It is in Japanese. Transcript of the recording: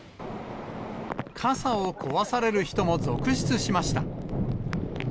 傘を壊される人も続出しました。